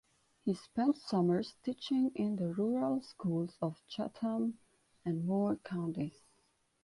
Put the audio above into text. He spent summers teaching in the rural schools of Chatham and Moore counties.